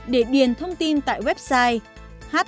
để điền thông tin tại website http